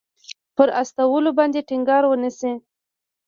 پر استولو باندې ټینګار ونه شي.